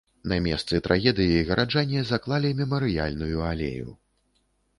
На месцы трагедыі гараджане заклалі мемарыяльную алею.